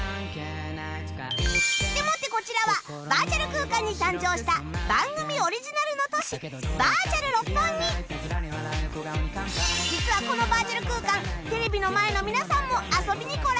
でもってこちらはバーチャル空間に誕生した実はこのバーチャル空間テレビの前の皆さんも遊びに来られるんです